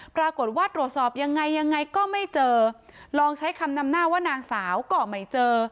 ปรากฏว่าตรวจสอบยังไงยังไงก็ไม่เจอลองใช้คำนำหน้าว่านางสาวก็ไม่เจอ